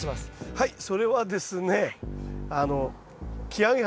はいそれはですねあ。